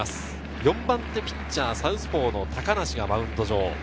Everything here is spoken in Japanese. ４番手ピッチャー、サウスポーの高梨がマウンド上。